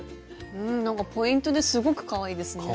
うんなんかポイントですごくかわいいですね。